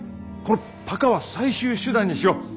このパカは最終手段にしよう。